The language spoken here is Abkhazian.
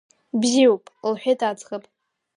Бзиоуп, — лҳәеит аӡӷаб.